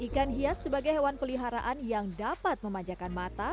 ikan hias sebagai hewan peliharaan yang dapat memanjakan mata